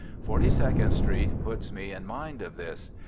Forty second Street puts me in mind of this.